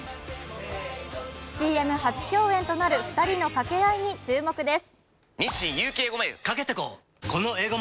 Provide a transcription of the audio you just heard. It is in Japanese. ＣＭ初共演となる２人の掛け合いに注目です。